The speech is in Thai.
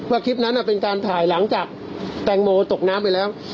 คลิปนั้นเป็นการถ่ายหลังจากแตงโมตกน้ำไปแล้ว